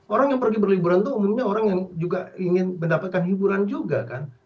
orang yang pergi berliburan itu umumnya orang yang juga ingin mendapatkan hiburan juga kan